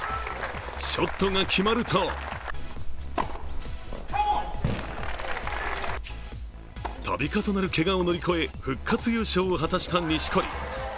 ショットが決まると度重なるけがを乗り越え、復活優勝を果たした錦織。